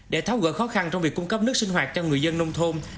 để tháo gỡ khó khăn trong việc cung cấp nước sinh hoạt cho người dân nông thôn